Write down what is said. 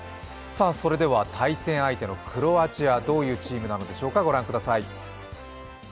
それでは、対戦相手のクロアチアどういうチームなのでしょうか。